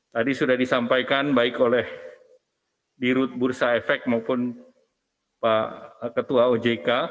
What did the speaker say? tadi sudah disampaikan baik oleh dirut bursa efek maupun pak ketua ojk